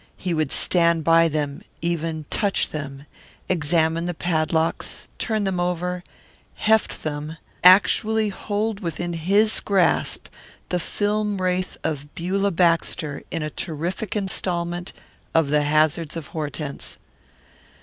He would stand by them, even touch them, examine the padlocks, turn them over, heft them; actually hold within his grasp the film wraith of Beulah Baxter in a terrific installment of The Hazards of Hortense.